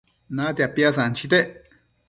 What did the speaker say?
Natia piasanchitec